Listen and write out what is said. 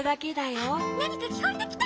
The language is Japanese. ・あっなにかきこえてきた！